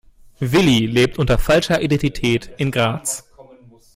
Willi lebt unter falscher Identität in Graz.